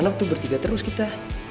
mana mana tuh bertiga terus kita